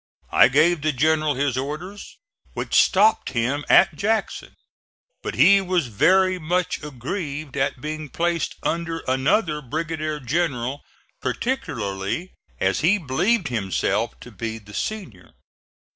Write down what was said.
I gave the General his orders which stopped him at Jackson but he was very much aggrieved at being placed under another brigadier general, particularly as he believed himself to be the senior.